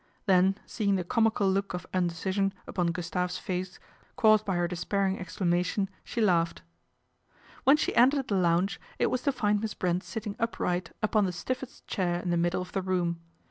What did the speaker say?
Then seeing the comical look of inde cision upon Gustave's face caused by her despair ing exclamation she laughed. PATRICIA'S INCONSTANCY 241 When she entered the lounge, it was to find Miss Brent sitting upright upon the stiffest chair in the middle of the room.